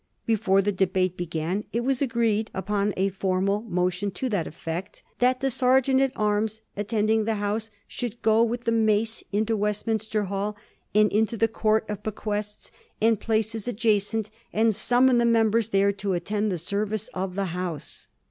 Before the debate began it was agreed, upon a formal motion to that effect, '^ that the Sergeant at arms attending the House should go with the mace into Westminster Hall, and into the Court of Be quests, and places adjacent, and summon the members there to attend the service of the House."